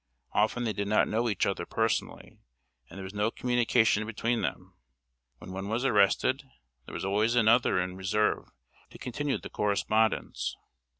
Often they did not know each other personally; and there was no communication between them. When one was arrested, there was always another in reserve to continue the correspondence.